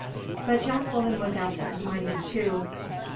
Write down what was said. But Jacqueline was absent minded too.